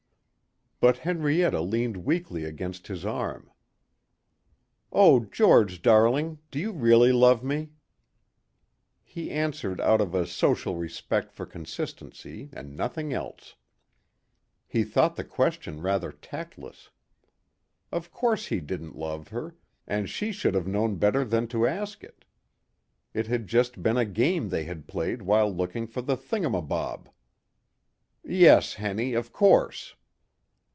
But Henrietta leaned weakly against his arm. "Oh George, darling. Do you really love me?" He answered out of a social respect for consistency and nothing else. He thought the question rather tactless. Of course he didn't love her and she should have known better than to ask it. It had just been a game they had played while looking for the thingumabob. "Yes, Henny, of course."